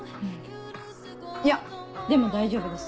いやでも大丈夫です